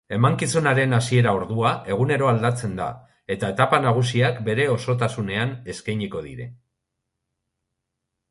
Emankizunaren hasiera ordua egunero aldatzen da eta etapa nagusiak bere osotasunean eskainiko dira.